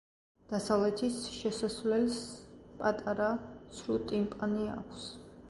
დასავლეთის შესასვლელს პატარა ცრუ ტიმპანი აქვს.